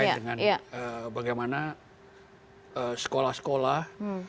dalam pengelitian yang terkait dengan bagaimana sekolah sekolah